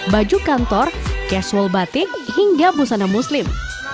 baju kantor casual batik hingga busana muslim